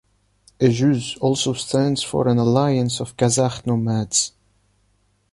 A jüz also stands for an alliance of Kazakh nomads.